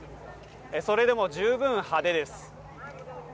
それでも十分派手です。